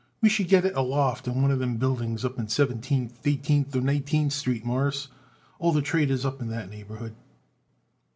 We should get it a loft in one of them buildings up in Seventeenth, Eighteenth or Nineteenth Street, Mawruss. All the trade is up in that neighborhood."